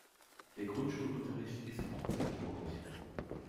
Der Grundschulunterricht ist obligatorisch.